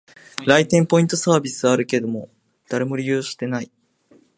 来店ポイントサービスあるけど、誰も利用してない